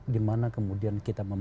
dimana kemudian kita bisa menemukan